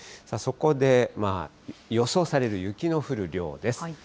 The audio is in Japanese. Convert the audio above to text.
そこで予想される雪の降る量です。